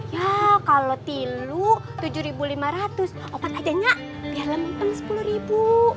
ya kalau tiluk tujuh ribu lima ratus opat aja nyak biar lempen sepuluh ribu